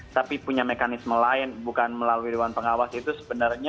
tapi punya mekanisme lain bukan melalui dewan pengawas itu sebenarnya